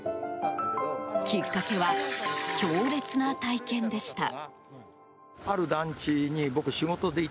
きっかけは、強烈な体験でした。